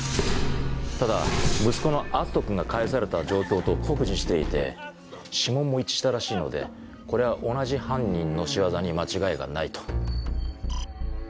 ただ息子の篤斗君が返された状況と酷似していて指紋も一致したらしいのでこれは同じ犯人の仕業に間違いがないと。